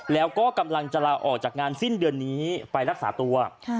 แล้วก็กำลังจะลาออกจากงานสิ้นเดือนนี้ไปรักษาตัว